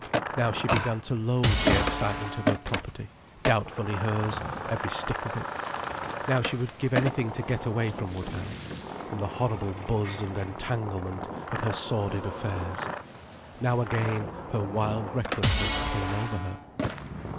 Now she began to loathe the excitement of her property: doubtfully hers, every stick of it. Now she would give anything to get away from Woodhouse, from the horrible buzz and entanglement of her sordid affairs. Now again her wild recklessness came over her.